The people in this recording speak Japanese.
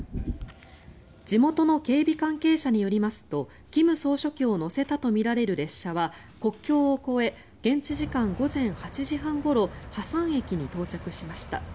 地元の警備関係者によりますと金総書記を乗せたとみられる列車は国境を越え現地時間午前８時半ごろハサン駅に到着しました。